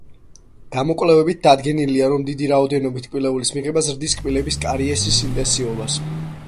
გამოკვლევებით დადგენილია, რომ დიდი რაოდენობით ტკბილეულის მიღება ზრდის კბილების კარიესის ინტენსივობას.